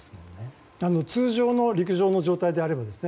通常の陸上の状態であればです。